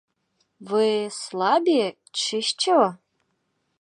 Ви слабі, чи що?